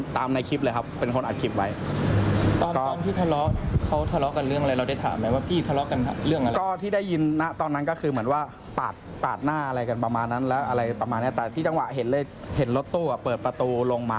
ได้เห็นรถตู้อ่ะเปิดประตูลงมา